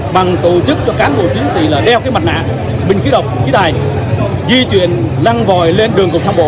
bằng tổ chức cho cán bộ chiến sĩ đeo mặt nạ bình khí độc khí tài di chuyển lăng vòi lên đường cộng tham bộ